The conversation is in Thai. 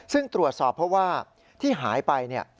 ซึ่งตรวจสอบเพราะว่าที่หายไปเนี่ย